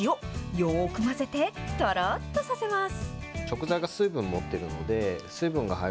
よーく混ぜて、とろっとさせます。